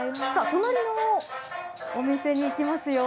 隣のお店に行きますよ。